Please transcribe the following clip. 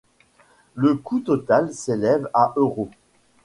Le coût total s’élève à €.